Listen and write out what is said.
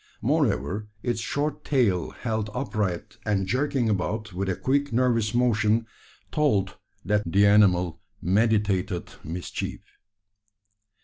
Moreover, its short tail, held upright and jerking about with a quick nervous motion, told that the animal meditated mischief.